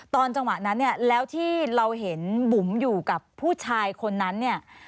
ตอนจังหวะนั้นแล้วที่เราเห็นบุ๋มอยู่กับผู้ชายคนนั้น